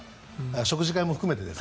食事会も含めて。